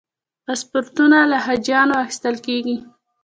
پاسپورتونه له حاجیانو اخیستل کېږي.